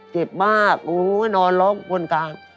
เจ็บมากโอ้นอนร้องบนกลาง